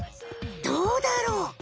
どうだろう？